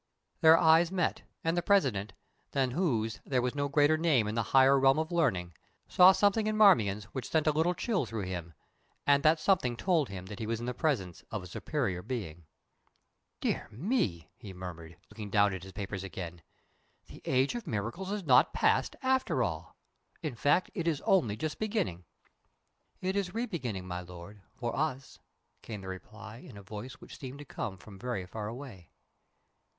Their eyes met, and the President, than whose there was no greater name in the higher realm of learning, saw something in Marmion's which sent a little chill through him, and that something told him that he was in the presence of a superior being. "Dear me!" he murmured, looking down at his papers again, "the age of miracles is not past, after all in fact, it is only just beginning." "It is re beginning, my Lord for us," came the reply, in a voice which seemed to come from very far away.